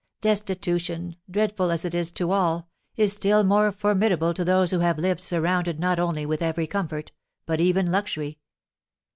Destitution, dreadful as it is to all, is still more formidable to those who have lived surrounded not only with every comfort, but even luxury.